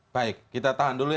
baik kita tahan dulu ya